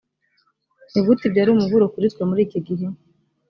ni gute ibyo ari umuburo kuri twe muri iki gihe